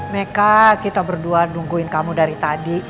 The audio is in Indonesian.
meka kita berdua nungguin kamu dari tadi